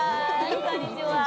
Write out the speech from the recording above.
こんにちは。